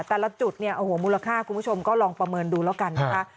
แต่ละจุดเนี่ยโอ้โหมูลค่าคุณผู้ชมก็ลองประเมินดูแล้วกันนะคะ